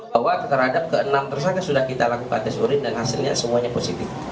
bahwa terhadap ke enam tersangka sudah kita lakukan tes urin dan hasilnya semuanya positif